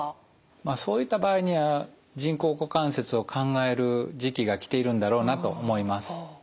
まあそういった場合には人工股関節を考える時期が来ているんだろうなと思います。